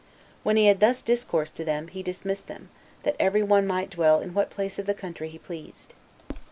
When he had thus discoursed to them, he dismissed them, that every one might dwell in what place of the country he pleased.